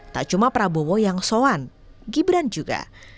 tak cuma prabowo yang soan gibran juga